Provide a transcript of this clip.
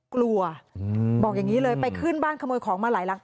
กลัวบอกอย่างนี้เลยไปขึ้นบ้านขโมยของมาหลายหลัง